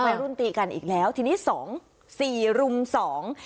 วัยรุ่นตีกันอีกแล้วทีนี้สองสี่รุมสอง